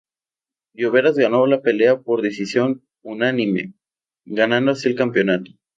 Lloveras ganó la pelea por decisión unánime, ganando así el campeonato.